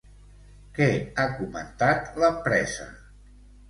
Què ha comentat l'empresa?